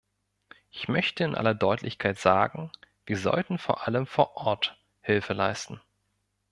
Ich möchte in aller Deutlichkeit sagen, wir sollten vor allem vor Ort Hilfe leisten.